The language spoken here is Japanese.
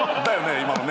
今のね。